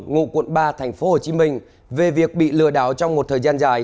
ngụ quận ba tp hcm về việc bị lừa đảo trong một thời gian dài